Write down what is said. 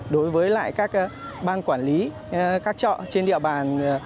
đối với lại các ban quản lý các chợ trên địa bàn